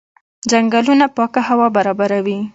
ځنګلونه پاکه هوا برابروي.